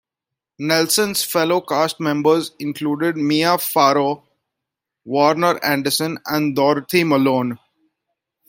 Nelson's fellow cast members included Mia Farrow, Warner Anderson, and Dorothy Malone.